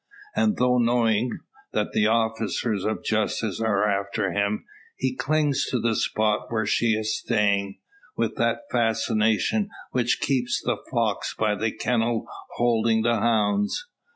And though knowing, that the officers of justice are after him, he clings to the spot where she is staying, with that fascination which keeps the fox by the kennel holding the hounds.